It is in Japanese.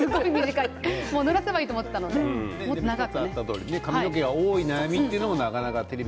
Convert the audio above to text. ぬらせばいいと思っていたのでもっと長くね。